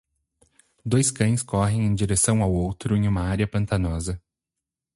Dois cães correm em direção ao outro em uma área pantanosa.